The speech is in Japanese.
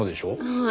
はい。